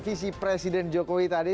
visi presiden jokowi tadi